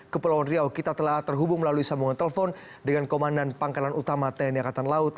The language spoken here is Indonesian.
kepulauan riau kita telah terhubung melalui sambungan telepon dengan komandan pangkalan utama tni angkatan laut